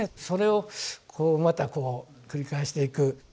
それをまたこう繰り返していく。